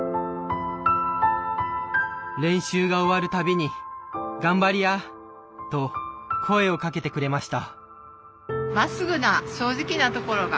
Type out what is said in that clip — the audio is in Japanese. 練習が終わるたびに「がんばりや」と声をかけてくれました。